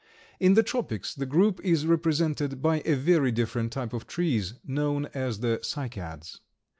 In the tropics the group is represented by a very different type of trees, known as the Cycads.